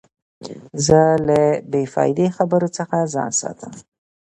زه له بې فایدې خبرو څخه ځان ساتم.